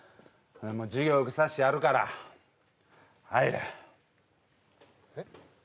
もう授業受けさせてやるから入れえっ？